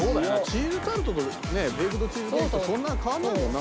チーズタルトとねベイクドチーズケーキってそんな変わらないもんな。